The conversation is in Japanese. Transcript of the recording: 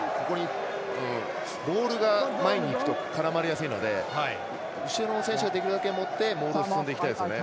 ボールが前にいくと絡まれやすいので後ろの選手ができるだけ持ってモールを進めていきたいですね。